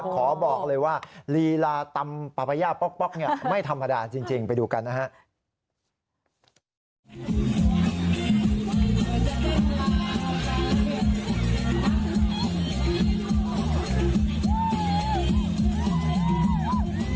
ขอบอกเลยว่าลีลาตำปาปะย่าป๊อกเนี่ยไม่ธรรมดาจริงไปดูกันนะครับ